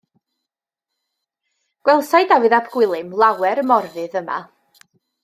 Gwelsai Dafydd ap Gwilym lawer Morfudd yma.